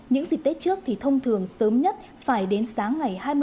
những dịp tết trước thì thông thường sớm nhất phải đến sáng ngày